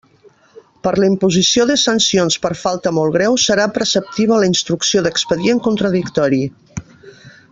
Per a la imposició de sancions per falta molt greu serà preceptiva la instrucció d'expedient contradictori.